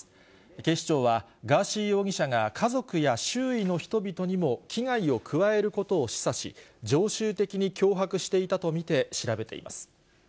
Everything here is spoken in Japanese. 警視庁は、ガーシー容疑者が家族や周囲の人々にも危害を加えることを示唆し、常習的に脅迫していたと見て、調べています。